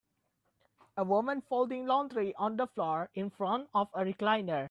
a woman folding laundry on the floor in front of a recliner.